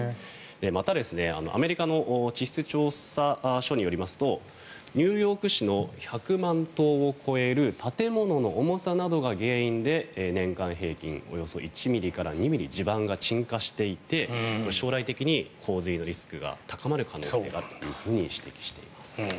また、アメリカの地質調査所によりますとニューヨーク市の１００万棟を超える建物の重さなどが原因で年間平均およそ１ｍｍから２ｍｍ地盤沈下していて将来的に洪水のリスクが高まる可能性があると指摘しています。